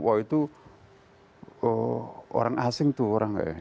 wah itu orang asing tuh orang kayaknya